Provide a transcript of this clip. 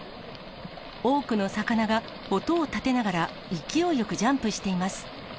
多くの魚が音を立てながら、勢いよくジャンプしています。